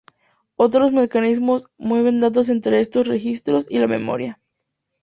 Otros mecanismos mueven datos entre estos registros y la memoria.